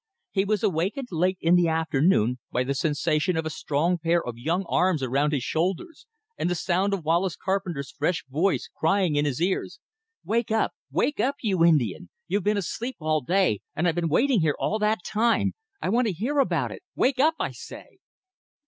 He was awakened late in the afternoon by the sensation of a strong pair of young arms around his shoulders, and the sound of Wallace Carpenter's fresh voice crying in his ears: "Wake up, wake up! you Indian! You've been asleep all day, and I've been waiting here all that time. I want to hear about it. Wake up, I say!"